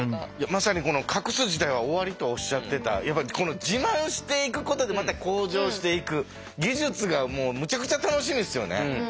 まさにこの「隠す時代は終わり」とおっしゃってたこの自慢していくことでまた向上していく技術がもうむちゃくちゃ楽しみですよね。